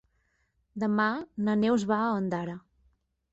Demà na Neus va a Ondara.